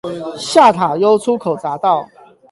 下塔悠出口匝道